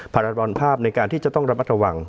พาระดรรภาพในการที่จะต้องรับประตวัง